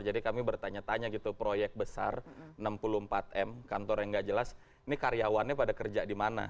jadi kami bertanya tanya gitu proyek besar enam puluh empat m kantor yang gak jelas ini karyawannya pada kerja di mana